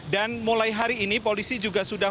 dan mulai hari ini polisi juga sudah